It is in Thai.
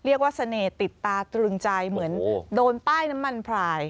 เสน่ห์ติดตาตรึงใจเหมือนโดนป้ายน้ำมันพลาย